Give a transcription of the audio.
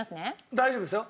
大丈夫ですよ。